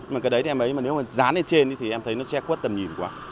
mà cái đấy em ấy mà nếu mà dán lên trên thì em thấy nó che khuất tầm nhìn quá